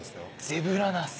ゼブラナス。